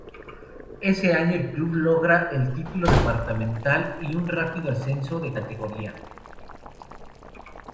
Ese año el club logra el título departamental y un rápido ascenso de categoría.